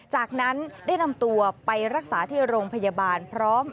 จากนั้นได้นำตัวไปรักษาที่โรงพยาบาลพร้อม